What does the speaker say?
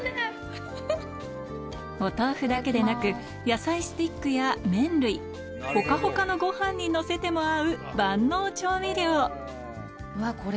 お豆腐だけでなく野菜スティックや麺類ほかほかのご飯にのせても合ううわこれ。